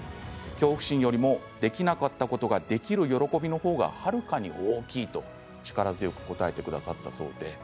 恐怖心よりもできなかったことができる喜びの方がはるかに大きいと力強く答えてくださったそうです。